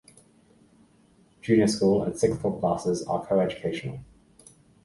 Junior school and sixth form classes are coeducational.